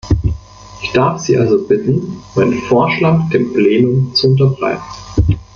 Ich darf Sie also bitten, meinen Vorschlag dem Plenum zu unterbreiten.